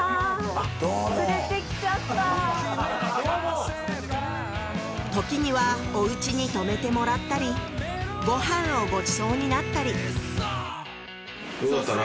あっどうもどうもときにはおうちに泊めてもらったりご飯をごちそうになったりよかったな